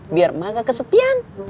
biar emak nggak kesepian